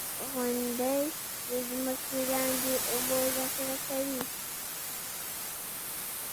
• غونډۍ د ځمکې لاندې اوبه ذخېره کوي.